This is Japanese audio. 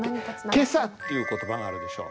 「今朝」っていう言葉があるでしょ。